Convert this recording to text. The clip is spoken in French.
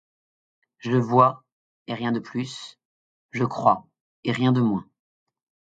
Je vois, et rien de plus ; je crois, et rien de moins.